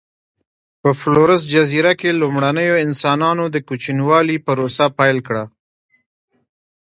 په فلورس جزیره کې لومړنیو انسانانو د کوچنیوالي پروسه پیل کړه.